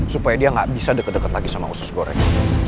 supaya dia nggak bisa deket deket lagi sama usus goreng